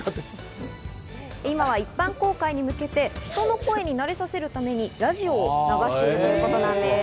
今は一般公開に向けて人の声に慣れさせるために、ラジオを流しているということなんです。